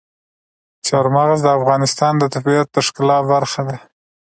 چار مغز د افغانستان د طبیعت د ښکلا برخه ده.